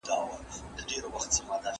زه به سبا مېوې وچوم وم.